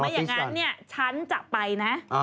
ไม่อย่างนั้นฉันจะไปนะ